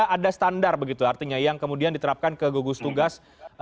ada standar begitu artinya yang kemudian diterapkan ke gugus tugas